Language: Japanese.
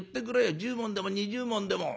１０文でも２０文でも」。